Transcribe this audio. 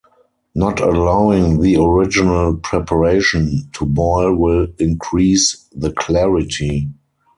Not allowing the original preparation to boil will increase the clarity.